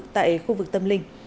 tại khu vực tâm linh